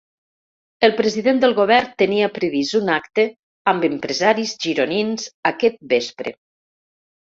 El president del govern tenia previst un acte amb empresaris gironins aquest vespre.